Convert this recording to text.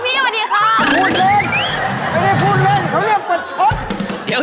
ไม่ได้พูดเล่นเขาเรียกประชท